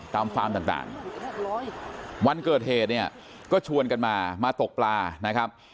ฟาร์มต่างวันเกิดเหตุเนี่ยก็ชวนกันมามาตกปลานะครับ